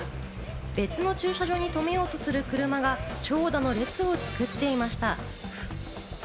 別の駐車場に停めようとする車が長蛇の列を作っていました。